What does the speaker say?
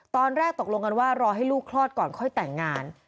ตอนแรกตกลงกันว่ารอให้ลูกคลอดก่อนค่อยแต่งงาน